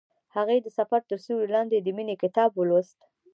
هغې د سفر تر سیوري لاندې د مینې کتاب ولوست.